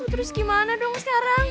terus gimana dong sekarang